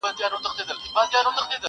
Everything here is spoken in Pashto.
په هغه ورځ به يو لاس ورنه پرې كېږي!.